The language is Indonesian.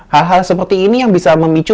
hal hal seperti ini yang bisa memicu